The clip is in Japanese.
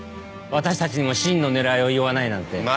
私たちにも真の狙いを言わないなんて。